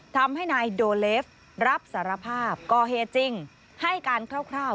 ทำให้นายโดเลฟรับสารภาพก่อเหตุจริงให้การคร่าว